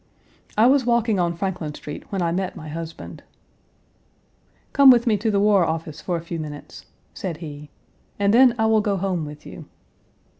I was walking on Franklin Street when I met my husband. "Come with me to the War Office for a few minutes," said he, "and then I will go home with you."